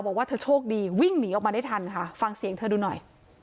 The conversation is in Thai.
บอกว่าเธอโชคดีวิ่งหนีออกมาได้ทันค่ะฟังเสียงเธอดูหน่อย